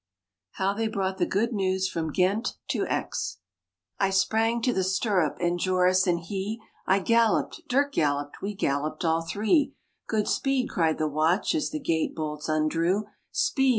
HOW THEY BROUGHT THE GOOD NEWS FROM GHENT TO AIX I sprang to the stirrup, and Joris, and he; I galloped, Dirck galloped, we galloped all three; "Good speed!" cried the watch, as the gate bolts undrew; "Speed!"